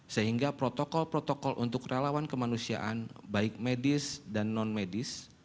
sehingga protokol protokol untuk relawan kemanusiaan baik medis dan non medis